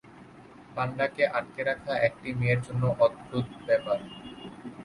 পান্ডাকে আঁটকে রাখা একটা মেয়ের জন্য অদ্ভূত ব্যাপার।